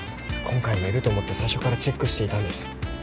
今回もいると思って最初からチェックしていたんです。